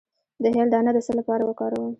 د هل دانه د څه لپاره وکاروم؟